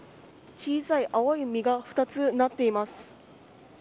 小さい青い実が２つなっています。